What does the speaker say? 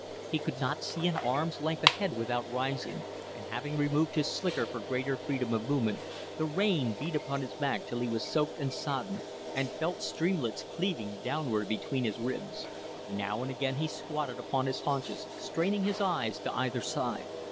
He could not see an arm's length ahead without rising, and, having removed his slicker for greater freedom of movement, the rain beat upon his back till he was soaked and sodden and felt streamlets cleaving downward between his ribs. Now and again he squatted upon his haunches, straining his eyes to either side.